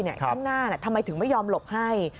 ข้างหน้าทำไมถึงไม่ยอมหลบให้